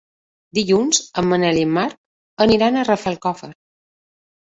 Dilluns en Manel i en Marc aniran a Rafelcofer.